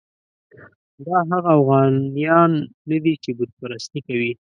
دا هغه اوغانیان نه دي چې بت پرستي کوي.